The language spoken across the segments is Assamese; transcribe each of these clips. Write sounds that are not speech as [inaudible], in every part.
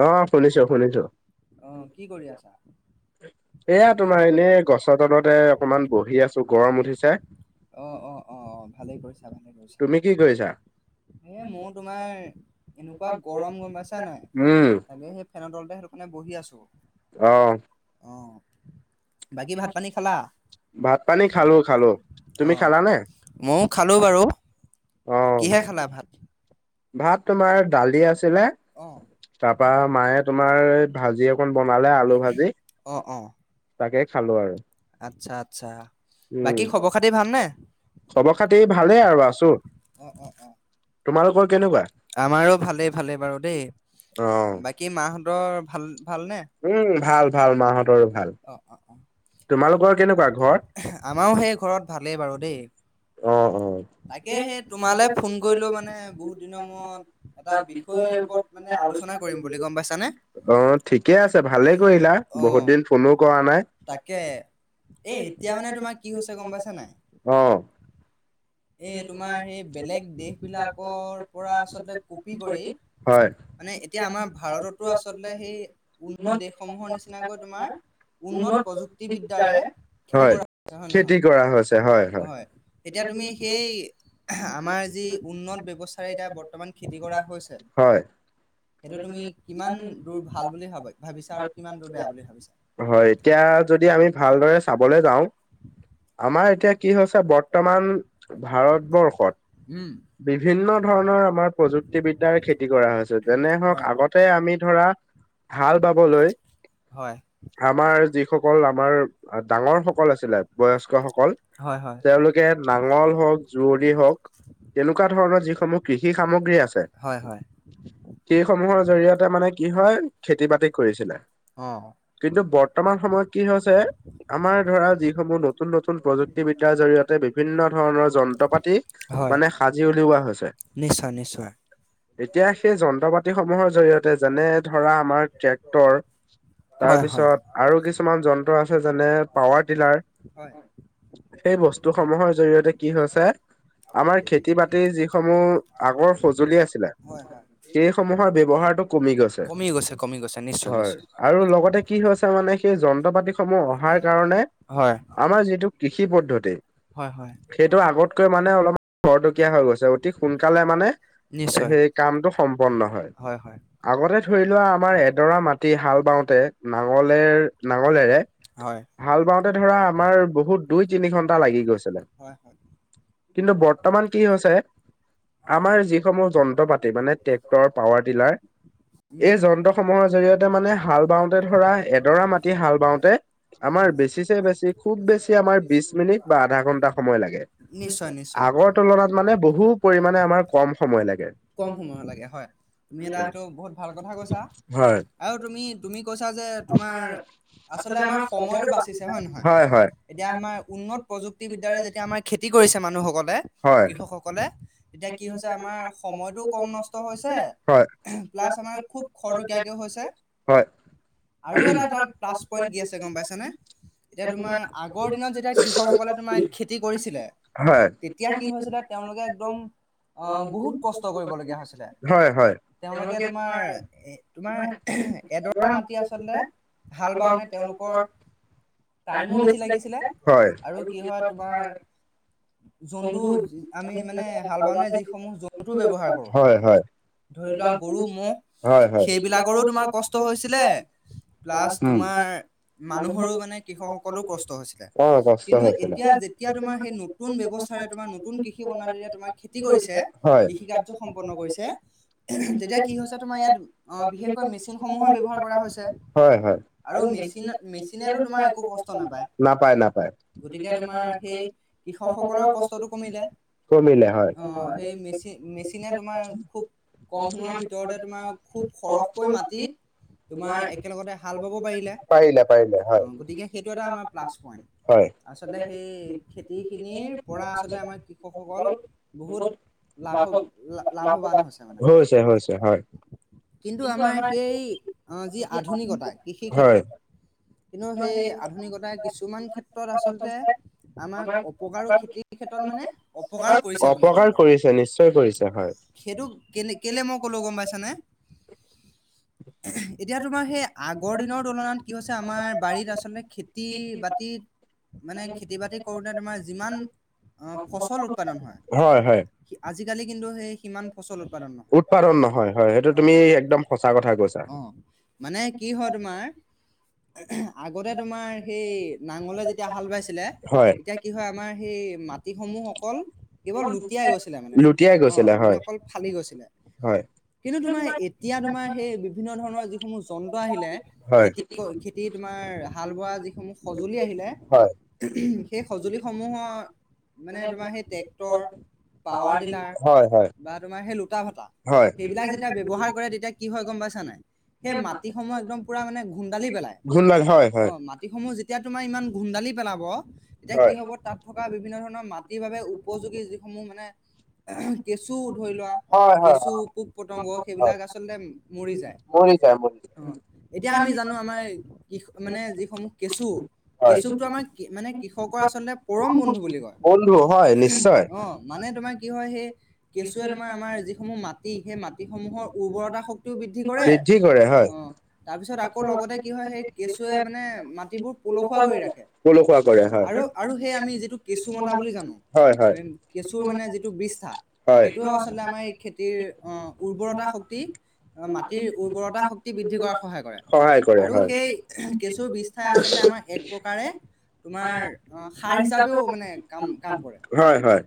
অ শুনিছো শুনিছো আহ কি কৰি আছা এয়া তোমাৰ এনেই গছৰ তলতে অকমান বহি আছো গৰম উঠিছে। অ অ অ অ ভালেই কৰিছে। মোৰ তোমাৰ এনেকুৱা গৰম গম পাইছা নাই তাকে সেই ফেনৰ তলতে সেইটো কাৰণে বহি আছোঁ। আহ বাকী ভাত পানী খালা? অঁ ময়ো খালো বাৰু কিহে খালা ভাত ভাত তোমাৰ দালি আছিলে তাৰপা মায়ে তোমাৰ ভাজি অকন বনালে আলু ভাজি আচ্ছা আচ্ছা বাকী খবৰ খাতি ভালনে? খবৰ খাতি ভালেই আৰু আছো তোমালোকৰ আমাৰো ভালেই ভালেই বাৰু দেই বাকী মাহঁতৰ উম ভাল ভাল মাহঁতৰ অ অ অ আমাৰো সেই ঘৰত ভালেই বাৰু দেই তাকে সেই তোমালৈ ফোন কৰিলো মানে বহুত দিনৰ মূৰত। এটা বিষয়ৰ ওপৰত মানে আলোচনা কৰিম বুলি গম পাইছানে অঁ ঠিকে আছে ভালেই কৰিলা বহুত দিন ফোনোও কৰা নাই অ। এ তোমাৰ সেই বেলেগ দেশ বিলাকৰ পৰা আচলতে কপি কৰি মানে এতিয়া আমাৰ ভাৰততো আচলতে সেই উন্নত দেশসমূহৰ নিচিনাকৈ তোমাৰ উন্নত প্ৰযুক্তিবিদ্যাৰে হয় খেতি কৰা হৈছে হয় হয় আমাৰ যি উন্নত ব্যৱস্থাৰে এতিয়া বৰ্তমান খেতি কৰা হৈছে সেইটো তুমি কিমান দূৰ ভাল বুলি ভ ভাবিছা আৰু কিমান দূৰ বেয়া বুলি ভাবিছা হয় এতিয়া যদি আমি ভালদৰে চাবলৈ যাওঁ আমাৰ এতিয়া কি হৈছে বৰ্তমান ভাৰতবৰ্ষত বিভিন্ন ধৰণৰ আমাৰ প্ৰযুক্তিবিদ্যাৰ খেতি কৰা হৈছে। যেনে হওক আগতে আমি ধৰা হাল বাবলৈ আমাৰ যিসকল আমাৰ ডাঙৰ সকল আছিলে বয়স্কসকল তেওঁলোকে নাঙল হওক জুুৱলি হওক তেনেকুৱা ধৰণৰ যিসমূহ কৃষি সামগ্ৰী আছে। সেই সমূহৰ জৰিয়তে মানে কি হয় খেতি বাতি কৰিছিলে। কিন্তু বৰ্তমান সময়ত কি হৈছে। আমাৰ ধৰা যিসমূহ নতুন নতুন প্ৰযুক্তিবিদ্যাৰ জৰিয়তে বিভিন্ন ধৰণৰ যন্ত্ৰ পাতি। মানে সাজি উলিওৱা হৈছে। নিশ্চয় নিশ্চয়। এতিয়া সেই জন্ত। তন্ত্ৰ পাতিসমূহৰ জৰিয়তে যেনে ধৰা আমাৰ ট্ৰেক্টৰ। তাৰপিছত আৰু কিছুমান যন্ত্ৰ আছে যেনে পাৱাৰ টিলাৰ। সেই বস্তু সমূহৰ জৰিয়তে কি হৈছে। আমাৰ। সেই সমূহৰ ব্যৱহাৰটো কমি গৈছে হয় আৰু। লগতে কি হৈছে মানে সেই যন্ত্ৰ পাতি সমূহ অহাৰ কাৰণে। আমাৰ যিটো কৃষি পদ্ধতি। সেইটো আগতকৈ মানে অলপ খৰতকীয়া হৈ গৈছে অতি সোনকালে মানে। সেই কামটো সময়। আগতে ধৰি লোৱা আমাৰ এডৰা মি হাল বা। তে নাঙলেৰ নাঙলেৰে। হাল বাওঁতে ধৰা আমাৰ বহুত দুই তিনি ঘন্টা লাগি গৈছিলে। কিন্তু বৰ্তমান কি হৈছে আমাৰ যিসমূহ যন্ত্ৰ পাতি মানে। ট্ৰেক্টৰ পাৱাৰ টিলাৰ এই যন্ত্ৰসমূহৰ জৰিয়তে মানে হাল বাও। ধ এডৰা মাটি হাল বাওঁতে আমাৰ বেছি বেছি খুব বেছি আমাৰ বিশ মিনিট। আধা ঘণ্টা। সময় লাগে আগৰ তুলনাত মানে বহু পৰিমানে আমাৰ মানে কম সময় লাগে। কম সময়ত। তুমি এটা সেইটো বহুত ভাল কথা কৈছা আৰু তুমি। কৈছা যে তোমাৰ আচলতে আমাৰ সময়টো বাচিছে হয় নে নহয় এতিয়া আমাৰ উন্নত। প্ৰযুক্তিবিদ্যাৰে যেতিয়া আমাৰ খেতি কৰিছে মানুহসকলে কৃষকসকলে। এতিয়া কি হৈছে আমাৰ সময়টোও কম নষ্ট হৈছে। প্লাছ আমাৰ খুব খৰতকীয়াকে হৈছে। হয়। আৰু এটা তাৰ প্লাছ পইণ্ট কি আছে গম পাইছানে। এতিয়া তোমাৰ আগৰ দিনত যেতিয়া কৃষকসকলে তোমাৰ খেতি কৰিছিলে তেতিয়া কি হৈছিলে। তেওঁলোকে একদম। আহ বহুত কষ্ট কৰিবলগীয়া হৈছিলে তেওঁলোকে তোমাৰ এ তোমাৰ। এডৰা মাটি আচলতে হাল বাওনে তেওঁলোকৰ। বেছি লাগিছিল হয় আৰু কি হয় তোমাৰ। জন্তু আমি মানে যিকোনো জন্তু ব্যৱহাৰ হয় হয়। ধৰি লোৱা গৰু ম'হ সেইবিলাকৰো তোমাৰ কষ্ট হৈছিলে। প্লাছ তোমাৰ মানুহৰো মানে কৃষক সকলো কষ্ট হৈছিলে কিন্তু এতিয়া। যেতিয়া তোমাৰ সেই নতুন ব্যৱস্থাৰে তোমাৰ নতুন কৃষি প্ৰনালীৰে তোমাৰ। কৰি কৃষি কাৰ সম্পন্ন কৰিছে তেতিয়া কি হৈছে তোমাৰ ইয়াত বিশেষকৈ মেচিন। হয় হয়। আৰু মেচিনে কষ্ট নাপায় হয় হয়। গতিকে সেই তোমাৰ কৃষকসকলৰ প্ৰস্তুতি কমিলে, কমিলে হয়। সেই মেচি মেচিনে তোমাৰ খুব কম সময়ৰ ভিতৰতে তোমাৰ খুব সৰহকৈ মাটিত। তোমাৰ একেলগতে হাল বাব পাৰিলে গতিকে সেইটো এটা আমাৰ প্লাছ পইন্ট। আচলতে সেই খেতি খিনিৰ পৰা আচলতে আমাৰ কৃষকসকল। বহুত লাভ' লাভৱান হৈছে মানে। কিন্তু আমাৰ সেই যি আধুনিকতা কৃষিৰ ক্ষেত্ৰত। কিন্তু সেই আধুনিকতাৰ কিছুমান ক্ষেত্ৰত আচলতে,। আমাক অপকাৰো খেতিৰ ক্ষেত্ৰত মানে অপকাৰো কৰিছে বুলি কব পাৰো। সেইটো কেনে কেলৈ মই ক'লো গম পাইছানে? [unintelligible] এতিয়া তোমাৰ সেই আগৰ দিনৰ তুলনাত কি হৈছে আমাৰ বাৰীত আচলতে খেতি বাতিত মানে খেতি বাতি কৰোতে তোমাৰ যিমান অঁহ ফচল উৎপাদন হয়। আজিকালি কিন্তু সেই সিমান উৎপাদন নহয় হয় সেইটো তুমি একদম সঁচা কথা অঁ, মানে কি হয় তোমাৰ, আগতে তোমাৰ সেই নাঙলে যেতিয়া হাল বাইছিলে তেতিয়া কি হয় আমাৰ, সেই মাত তি সমূহ অকল কেৱল লুটিয়াই গৈছিলে মানে, অঁ, মানে অকল ফালি গৈছিলে। কিন্তু তোমাৰ এতিয়া তোমাৰ সেই বিভিন্ন ধৰণৰ যিসমূহ যন্ত্ৰ আহিলে খেতি খেতি তোমাৰ হাল বোৱা যিসমূহ সঁজুলি আহিলে সেই সঁজুলিসমূহৰ মানে তোমাৰ সেই ট্ৰেক্টৰ পাৱাৰ ডিলাৰ বা তোমাৰ সেই লোটা ভাটা। সেইবিলাক যেতিয়া ব্যৱহাৰ কৰে তেতিয়া কি হয় গম পাইছা? নাই সেই মাটি সমূহ একদম পুৰা মানে ঘুন্দালি পেলাই অ মাটি সমূহ যে এতিয়া তোমাৰ ইমান ঘোন্দালি পেলাব তেতিয়া কি হ'ব তাত থকা বিভিন্ন ধৰণৰ মাটিৰ বাবে উপযোগী যিসমূহ মানে কেঁচু ধৰি লোৱা। কেঁচু, পোক, পতংগ সেইবিলাক আচলতে মৰি যায়। অ এতিয়া আমি জানো আমাৰ কি মানে যিসমূহ কেচু, কেঁচুটো আমাক মানে কৃষকৰ আচলতে পৰম বন্ধু বুলি কয়। অঁ মানে তোমাৰ কি হয় সেই কেঁচুৱে তোমাৰ আমাৰ যিসমূহ মাটি সেই মাটিসমূহৰ উৰ্বৰতা শক্তি। তো বৃদ্ধি কৰে। অঁহ তাৰ পিছত আকৌ লগতে কি হয় সেই কেঁচুৱে মানে মাটিবোৰ পলসুৱা কৰি ৰাখে। অঁ আৰু আৰু সেই আমি যিটো কেঁচুমদা বুলি জানো কেচুৰ মানে যিটো বৃষ্ঠা সেইটোও আচলতে আমাৰ এই খেতিৰ, অ উৰ্বৰতা শক্তি মাটিৰ উৰ্বৰতা শক্তি বৃদ্ধি কৰা সহায় কৰে, আৰু সেই কেঁচুৰ বিষ্ঠাই আচলতে আমাৰ এক প্ৰকাৰে তোমাৰ সাৰ হিচাপেও মানে কাম কাম কৰে। হয় হয়।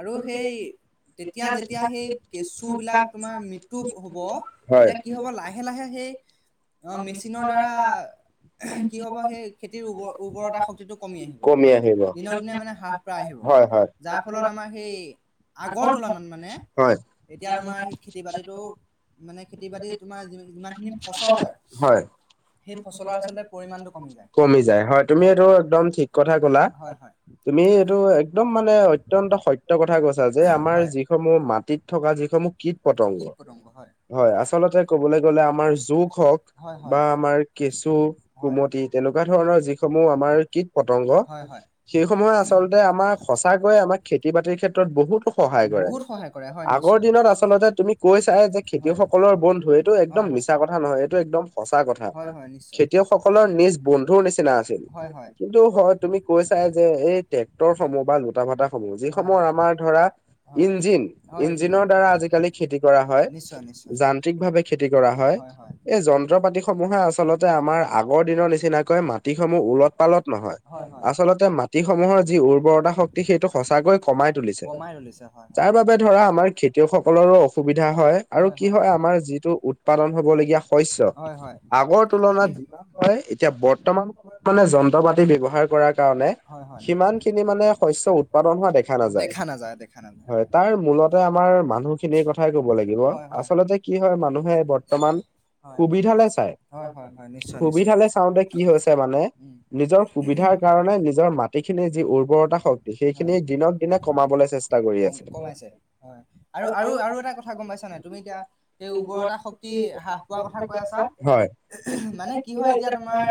আৰু সেই তেতিয়া যেতিয়া সেই কেঁচু বিলাক তোমাৰ মি তোপ হ'ব এতিয়া কি হ'ব লাহে লাহে সেই - অ মেচিনৰ দ্বাৰা কি হব সেই খেতিৰ উৰ্ব উৰ্বৰতা শক্তিটো কমি আহিব। দিনক দিনে মানে হ্ৰাস পায় আহিব। হয় হয়। হয়। টো মানে খেতি বাতিত তোমাৰ যিমানখিনি ফচল হয়, সেই ফচলৰ আচলতে পৰিমাণতো কমি যায়। কমি যায়, হয়। তুমি এইটো একদম ঠিক কথা কলা। হয় হয়। তুমি এইটো একদম মানে অত্যন্ত সত্য কথা কৈছা যে আমাৰ যিসমূহ মাটিত থকা যিসমূহ কিট পতংগ। হয় আচলতে ক'বলৈ গ'লে আমাৰ জোক হওক বা আমাৰ কেঁচু কুমতি এনেকুৱা ধৰণৰ যিসমূহ আমাৰ কীট পতংগ সেইসমূহে আচলতে আমাক সঁচাকৈয়ে আমাক, খেতি বাতিৰ ক্ষেত্ৰত বহুতো সহায় কৰে আগৰ দিনত আচলতে তুমি কৈ চাই যে, খেতিয়ক সকলৰ বন্ধু এইটো একদম মিছা কথা নহয় এইটো একদম সঁচা কথা খেতিয়কসকলৰ নি বন্ধু নিচিনা আছিল, কিন্তু হয় তুমি কৈছাই যে এই ট্ৰেক্টৰ সমূহ বা লোটা ভাতা সমূহ যিসমূহ আমাৰ ধৰা ইঞ্জিন ইঞ্জিনৰ দ্বাৰা আজিকালি খেতি কৰা হয়। যান্ত্ৰিক ভাৱে খেতি কৰা হয় এই যন্ত্ৰ পাতি সমূহে আচলতে আমাৰ আগৰ দিনৰত নিচিনাকৈ মাটিসমূহ উলত পালত নহয়। আচলতে মাটিসমূহৰ যি উৰ্বৰতা শক্তি সেইটো সঁচাকৈ কমাই তুলিছে যাৰ বাবে ধৰা আমাৰ খেতিয়কসকলৰো অসুবিধা হয়। আৰু কি হয় আমাৰ যিটো উৎপাদন হবলগীয়া শস্য, আগৰ তুলনাত যিমান হয় এতিয়া বৰ্তমান সময়ত মানে যন্ত্ৰ পাতি ব্যৱহাৰ কৰাৰ কাৰণে হয়। সিমান খিনি মানে শস্য উৎপাদন হোৱা দেখা নাযায়। দেখা নাযায় দেখা দেখা নাপাই এবাৰ ব্যৱহাৰ কৰা [unintelligible] কথাই ক'ব লাগিব আচলতে কি হয় মানুহে বৰ্তমান হয়। হয় হয় হয় নিশ্চয় নিশ্চয়। উম। ৰ কাৰণে নিজৰ মাটিখিনিৰ যি উৰ্বৰতা শক্তি সেইখিনি দিনক দিনে কমাবলৈ চেষ্টা কৰি আছে। হয় আৰু আৰু আৰু এটা কথা গম পাইছা নাই তুমি এতিয়া সেই উৰ্বৰতা শক্তি হ্ৰাস পোৱা কথা কৈ আছা। মানে কি হয় এতিয়া তো তোমাৰ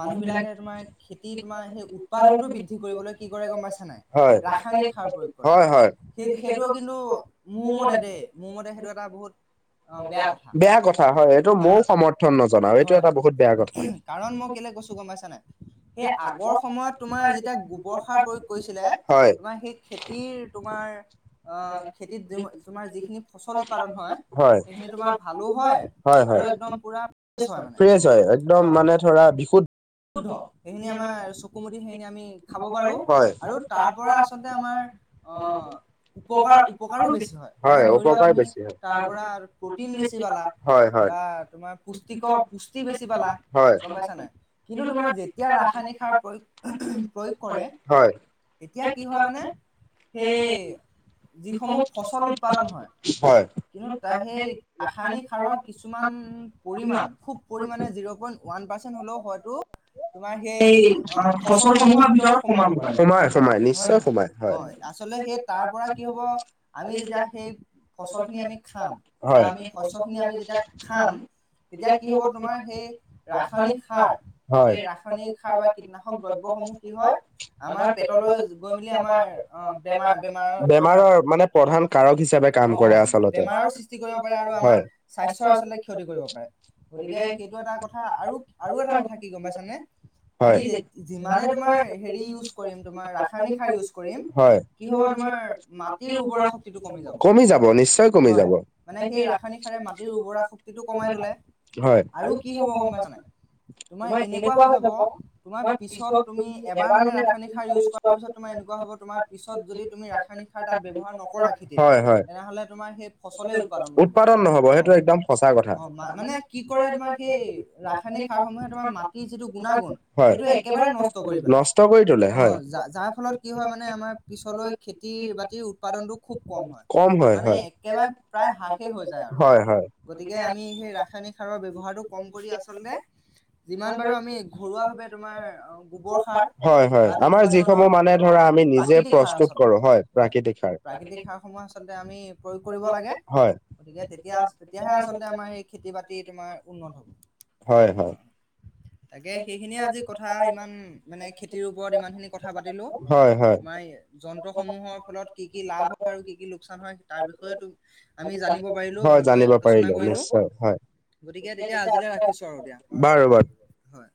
মানুহ বিলাকে তোমাৰ খেতি তোমাৰ সেই উৎপাদনতটো বৃদ্ধি কৰিবলৈ কি কৰে গম পাইছা নাই? ৰাসায়নিক সাৰ প্ৰয়োগ কৰে। সেই সেইটোও কিন্তু মোৰমতে দেই মোৰ মতে সেইটো এটা বহুত অ বেয়া কথা কাৰ হয় কাৰণ মোক কেলে কৈছো গম পাইছা নাই? সেই আগৰ সময়ত তোমাৰ যেতিয়া গোবৰ সাৰ প্ৰয়োগ কৰিছিলে, তোমাৰ সেই খেতিৰ তোমাৰ অ খেতিত তোমাৰ যিখিনি হয়। হয় হয়। ফ্ৰেছ হয়, একদম মানে ধৰা বিশুদ্ শুদ্ধ। সেইখিনি আমাৰ চকু মুদি সেইখিনি আমি খাব পাৰো আৰু তাৰ পৰা আচলতে আমাৰ অঁ উপকাৰ উপকাৰো বেছি হয়। হয় উপকাৰ হয় বেছি হয়। হয় হয়। গম পাইছা নাই। কিন্তু তোমাৰ যেতিয়া ৰাসায়নিক সাৰ প্ৰয়োগ প্ৰয়োগ কৰে এতিয়া কি হয় মানে সেই যিসমূহ ফচল উৎপাদন হয়। কিন্তু ত সেই ৰাসায়নিক সাৰৰ কিছুমান পৰিমান খুব পৰিমানে যি ই ওৱান পাৰ্চেণ্ট হলেও হয়টো তোমাৰ সেই অ ফচল সমূহৰ ভিতৰত সোমাব পাৰে হয় নহয়? হয় আচলতে সেই তাৰ পৰা কি হব আমি যেতিয়া সেই হয়। এতিয়া কি হব তোমাৰ সেই ৰাসায়নিক সাৰ হয়, ৰাসায়নিক সাৰ বা কীটনাশক দ্ৰব্য কি হয় আমাৰ পেটলৈ য আমাৰ অ বেমাৰ বেমাৰ বেমাৰৰ মানে প্ৰধান কাৰক হিচাপে অঁ অঁ বেমাৰৰ সৃষ্টি কৰিব পাৰে আৰু আমাৰ স্বাস্থ্যৰ আচলতে ক্ষতি কৰিব পাৰে। গতিকে সেইটো এটা কথা আৰু আৰু এটা কথা কি গম পাইছানে? আমি যিমানে তোমাৰ হেৰি ইউজ কৰিম তোমাৰ ৰাসায়নিক সাৰ ইউজ কৰিম, কি হব তোমাৰ মাটিৰ উৰ্বৰা শক্তিটো কমি যাব। হয় মানে সেই ৰাসায়নিক সাৰে মাটিৰ উৰ্বৰা শক্তিটো কমাই তোলে। আৰু কি হব গম পাইছা নাই? তোমাৰ এনেকুৱা হৈ যাব, তোমাৰ পিছত তুমি এবাৰ মানে ৰাসায়নিক সাৰ ইউজ কৰাৰ পিছত তোমাৰ এন এনেকুৱা হব তোমাৰ পিছত যদি তুমি ৰাসায়নিক সাৰ তাত ব্যৱহাৰ নকৰা খেতিত তেনেহলে তোমাৰ সেই ফচলে উৎপাদন নহব অ অ মানে কি কৰে তোমা তোমাৰ সেই ৰাসায়নিক সাৰসমূহে তোমাৰ মাটিৰ যিটো গুণাগুণ সেইটো একেবাৰে নষ্ট কৰি পেলাই। অ যাৰ ফলত কি হয় মানে আমাৰ পিছলৈ খেতি বাতিৰ উৎপাদনটো খুব কম হয়। কম হয় হয়। হয় হয়। গতিকে আমি সেই ৰাসায়নিক সাৰৰ ব্যৱহাৰটো কম কৰি আচলতে যিমান পাৰো আমি ঘৰুৱা ভাৱে তোমাৰ অ গোবৰ সাৰ বা তেনেকুৱা ধৰণৰ অ আমি নিজে প্ৰস্তুত কৰো, হয়, প্ৰাকৃতিক সাৰ। আমি প্ৰয়োগ কৰিব লাগে। গতিকে তেতিয়া তেতিয়াহে আচলতে আমাৰ এই খেতি বাতি তোমাৰ উন্নত হ'ব। হয় হয় তাকে সেইখিনিয়ে আজি কথা ইমান মানে খেতিৰ ওপৰত ইমান খিনি কথা পাতিলো। আমাৰ যন্ত্ৰসমূহৰ ফলত কি কি লাভ হয় আৰু কি কি লোকচান হয় তাৰ বিষয়েটো আমি জানিব পাৰিলো, ভালকৈ আলোচনা কৰিলো। গতিকে তেতিয়া আজিলৈ ৰাখিছো আৰু এতিয়া হয়